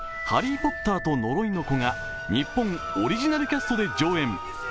「ハリー・ポッターと呪いの子」が日本オリジナルキャストで上演。